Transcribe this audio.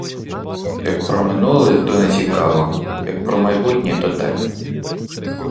Як про минуле, то не цікаво, як про майбутнє, то так.